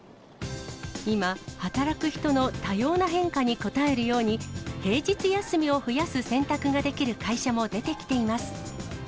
今、働く人の多様な変化に応えるように、平日休みを増やす選択ができる会社も出てきています。